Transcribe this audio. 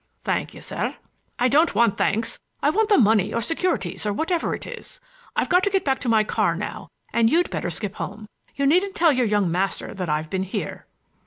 "Thank you, sir." "I don't want thanks, I want the money or securities or whatever it is. I've got to go back to my car now, and you'd better skip home. You needn't tell your young master that I've been here."